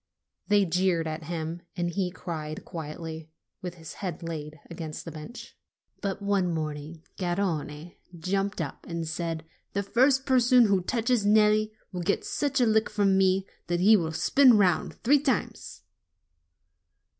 They jeered at him, and he cried quietly, with his head laid against the bench. 44 NOVEMBER But one morning Garrone jumped up and said, "The first person who touches Nelli will get such a lick from me that he will spin round three times